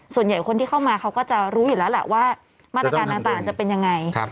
ส่วนใหญ่คนที่เข้ามาเขาก็จะรู้อยู่แล้วแหละว่ามาตรการต่างจะเป็นยังไง